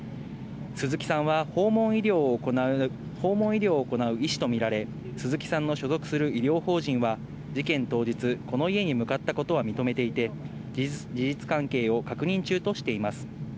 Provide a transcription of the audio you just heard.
鈴木さんは訪問医療を行う医師とみられ、鈴木さんの所属する医療法人は事件当日、この家に向かったことは認めていて、事実関係を確認中としています。